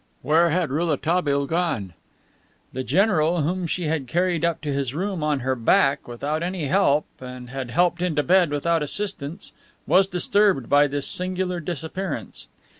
Where had Rouletabille gone? The general, whom she had carried up to his room on her back, without any help, and had helped into bed without assistance, was disturbed by this singular disappearance.